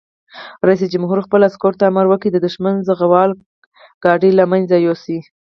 رئیس جمهور خپلو عسکرو ته امر وکړ؛ د دښمن زغروال ګاډي له منځه یوسئ!